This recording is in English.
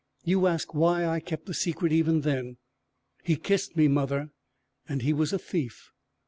"You ask why I kept the secret, even then. He kissed me, mother and he was a thief!"